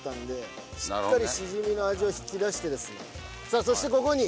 さあそしてここに。